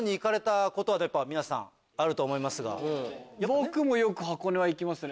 僕よく箱根は行きますね。